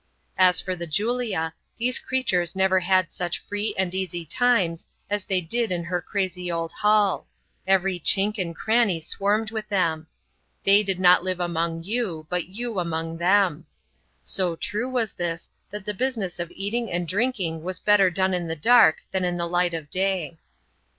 As for the Julia, these creatures never had such free and eitfy times as they did in her crazy old hull ; every chink and cranny swarmed with them ; they did not live among you, but you among them. So true was this, that the business of eating and drinking was better done in the dark than in the light of day.